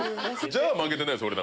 じゃあ負けてないです俺。